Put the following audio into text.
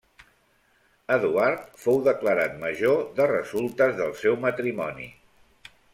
Eduard fou declarat major de resultes del seu matrimoni.